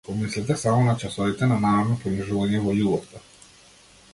Помислете само на часовите на намерно понижување во љубовта!